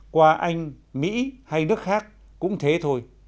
qua anh mỹ hay nước khác cũng thế thôi